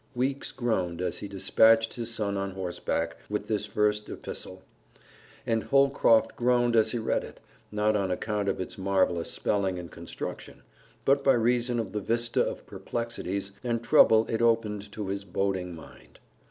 Weeks groaned as he dispatched his son on horseback with this first epistle, and Holcroft groaned as he read it, not on account of its marvelous spelling and construction, but by reason of the vista of perplexities and trouble it opened to his boding mind.